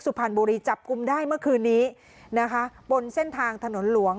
พรรณบุรีจับกลุ่มได้เมื่อคืนนี้นะคะบนเส้นทางถนนหลวง